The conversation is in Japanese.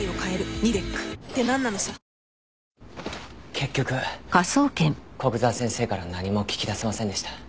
結局古久沢先生から何も聞き出せませんでした。